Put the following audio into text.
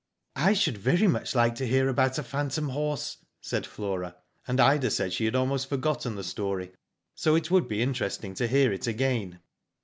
"I should very much like to hear about a phantom horse/' said Flora ; and Ida said she had almost forgotten the story, so it would be in teresting to hear it again.